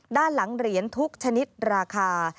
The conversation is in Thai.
ด้านหลังเหรียญทุกชนิดราคา